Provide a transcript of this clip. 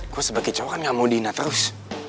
gue sebagai cowok kan gak mau dina terus